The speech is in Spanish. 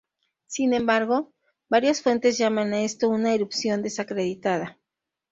Sin embargo, varias fuentes llaman a esto una "erupción desacreditada".